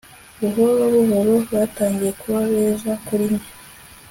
Buhorobuhoro batangiye kuba beza kuri njye